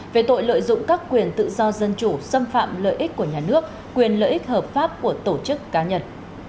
về tội lợi dụng các quyền tự do dân chủ xâm phạm lợi ích của nhà nước quyền lợi ích hợp pháp của tổ chức cá nhân